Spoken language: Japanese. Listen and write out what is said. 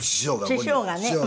師匠がね。